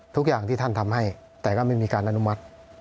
ทุกอย่างที่ท่านทำให้แต่ก็ไม่มีการอนุมัติ